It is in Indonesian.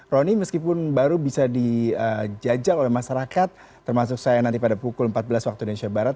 roni meskipun baru bisa dijajal oleh masyarakat termasuk saya nanti pada pukul empat belas waktu indonesia barat